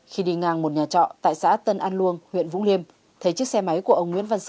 khi đi ngang một nhà trọ tại xã tân an luông huyện vũng liêm thấy chiếc xe máy của ông nguyễn văn sở